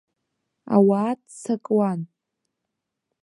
Ауаа ццакуан.